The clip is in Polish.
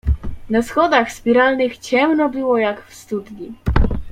"Na schodach spiralnych ciemno było jak w studni."